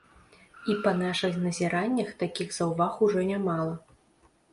І, па нашых назіраннях, такіх заўваг ужо нямала.